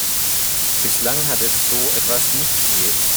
Bislang hat es so etwas nicht gegeben.